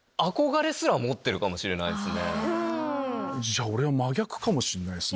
じゃあ俺真逆かもしれないです